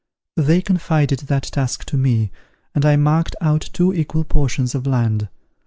They confided that task to me, and I marked out two equal portions of land.